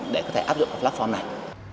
để có thể áp dụng cái platform này